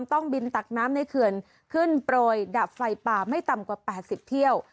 ต้องบินตักน้ำในเขื่อนขึ้นโปรยดับไฟป่าไม่ต่ำกว่า๘๐เที่ยว